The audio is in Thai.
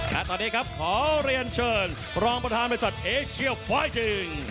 และตอนนี้ครับขอเรียนเชิญพร้อมพันธาใบสัตว์เอเชียไฟติ้ง